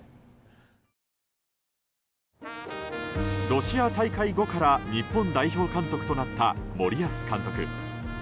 ロシア大会後から日本代表監督となった森保監督。